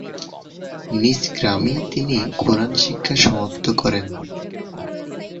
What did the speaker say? নিজ গ্রামেই তিনি কুরআন শিক্ষা সমাপ্ত করেন।